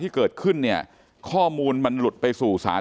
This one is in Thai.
ที่โพสต์ก็คือเพื่อต้องการจะเตือนเพื่อนผู้หญิงในเฟซบุ๊คเท่านั้นค่ะ